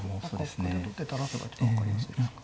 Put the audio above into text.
まあ角で取って垂らせば一番分かりやすいですか。